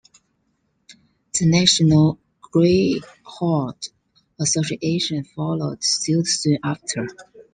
The National Greyhound Association followed suit soon after.